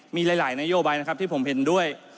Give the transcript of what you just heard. มีหลายนโยบายนะครับที่ผมเห็นด้วย